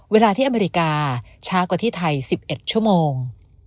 เวลาที่อเมริกาช้ากว่าที่ไทย๑๑ชั่วโมง